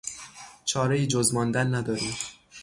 چارهای جز ماندن نداریم.